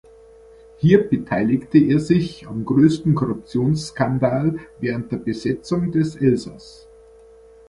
Hier beteiligte er sich am größten Korruptionsskandal während der Besetzung des Elsass.